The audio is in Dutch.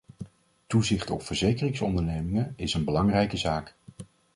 Toezicht op verzekeringsondernemingen is een belangrijke zaak.